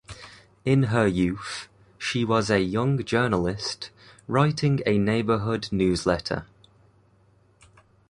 In her youth, she was a young journalist, writing a neighborhood newsletter.